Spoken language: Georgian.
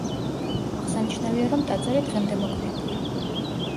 აღსანიშნავია, რომ ტაძარი დღემდე მოქმედია.